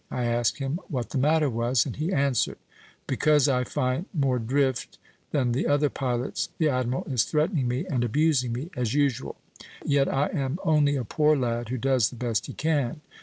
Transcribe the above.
I asked him what the matter was, and he answered: 'Because I find more drift than the other pilots, the admiral is threatening me and abusing me, as usual; yet I am only a poor lad who does the best he can.'